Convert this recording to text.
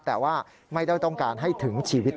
แต่ว่าไม่ได้ต้องการให้ถึงชีวิต